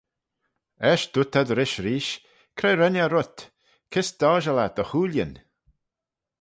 Eisht dooyrt ad rish reesht, Cre ren eh rhyt? kys doshil eh dty hooillyn?